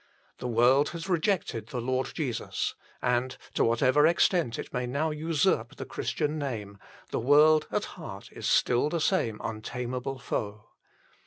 The world has rejected the Lord Jesus ; and, to whatever extent it may now usurp the Christian name, the world at heart is still the same untamable foe.